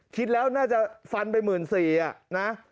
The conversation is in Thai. คิดแล้วน่าจะฟันไปหมื่นสี่อ่ะนะ